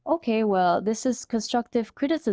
oke ini adalah kritik konstruktif